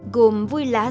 gồm vui lá răng